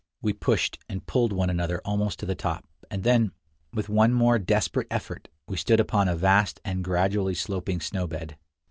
We pushed and pulled one another almost to the top, and then, with one more desperate effort, we stood upon a vast and gradually sloping snow bed.